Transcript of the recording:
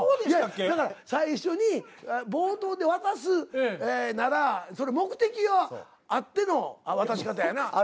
いやだから最初に冒頭で渡すならそれ目的があっての渡し方やな。